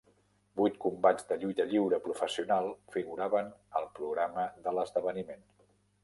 Vuit combats de lluita lliure professional figuraven al programa de l'esdeveniment.